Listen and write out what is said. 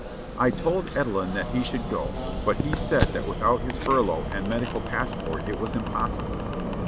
I told Edelin that he should go, but he said that without his furlough and medical passport it was im possible.